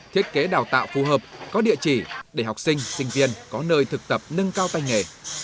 thiết kế đào tạo phù hợp có địa chỉ để học sinh sinh viên có nơi thực tập nâng cao tay nghề